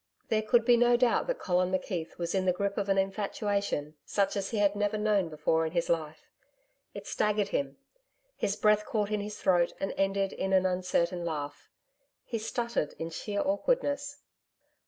There could be no doubt that Colin McKeith was in the grip of an infatuation such as he had never known before in his life. It staggered him. His breath caught in his throat and ended in an uncertain laugh. He stuttered in sheer awkwardness.